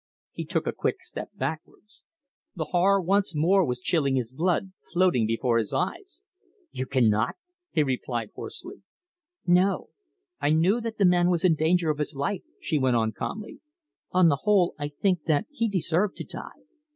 He took a quick step backwards. The horror once more was chilling his blood, floating before his eyes. "You cannot!" he repeated hoarsely. "No! I knew that the man was in danger of his life," she went on, calmly. "On the whole, I think that he deserved to die.